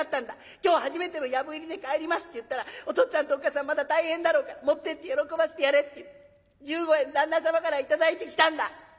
今日初めての藪入りで帰りますって言ったらお父っつぁんとおっ母さんまだ大変だろうから持ってって喜ばせてやれって１５円旦那様から頂いてきたんだ。